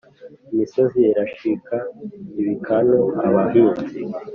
Imisozi irashika ibikanu.-Abahinzi.